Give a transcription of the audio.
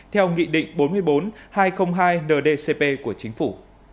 theo nghị định bốn mươi bốn hai trăm linh hai ndcp của chính phủ